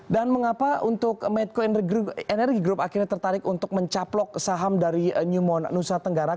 dan mengapa untuk medco energy group akhirnya tertarik untuk mencaplok saham dari newmont nusa tenggara